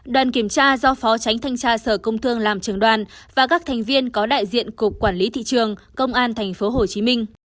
đoàn kiểm tra do phó tránh thanh tra sở công thương làm trường đoàn và các thành viên có đại diện cục quản lý thị trường công an tp hcm